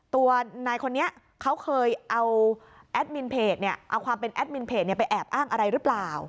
ตัวนายคนนี้เขาเคยเอาแอดมินเพจเนี่ยเอาความเป็นแอดมินเพจไปแอบอ้างอะไรหรือเปล่า